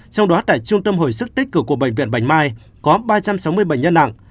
trong đó tại trung tâm hồi sức tích cực của bệnh viện bạch mai có ba trăm sáu mươi bệnh nhân nặng